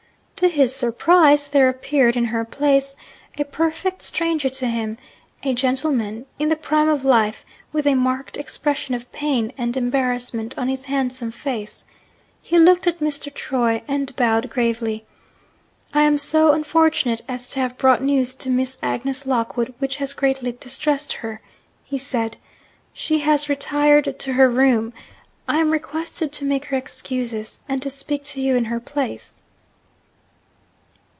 To his surprise there appeared, in her place, a perfect stranger to him a gentleman, in the prime of life, with a marked expression of pain and embarrassment on his handsome face. He looked at Mr. Troy, and bowed gravely. 'I am so unfortunate as to have brought news to Miss Agnes Lockwood which has greatly distressed her,' he said. 'She has retired to her room. I am requested to make her excuses, and to speak to you in her place.'